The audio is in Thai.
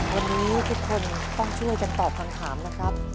วันนี้ทุกคนต้องช่วยกันตอบคำถามนะครับ